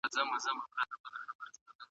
د الله قانون تل پاته دی.